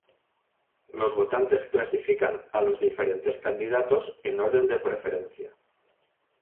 Los votantes clasifican a los diferentes candidatos en orden de preferencia.